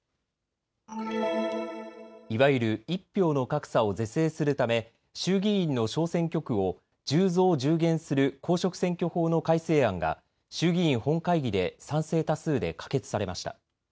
いわゆる１票の格差を是正するため、衆議院の小選挙区を１０増１０減する公職選挙法の改正案が衆議院本会議で賛成多数で可決されました。